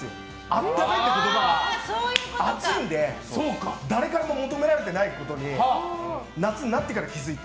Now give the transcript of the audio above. あったかいって言葉は暑いので誰からも求められてないことに夏になってから気づいて。